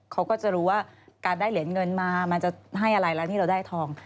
เขาก็จะรู้ว่าการได้เหรียญเงินมามันจะให้อะไรแล้วนี่เราได้ทอง